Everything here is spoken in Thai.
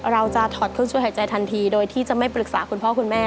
ถอดเครื่องช่วยหายใจทันทีโดยที่จะไม่ปรึกษาคุณพ่อคุณแม่